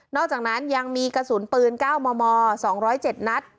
อกจากนั้นยังมีกระสุนปืน๙มม๒๐๗นัด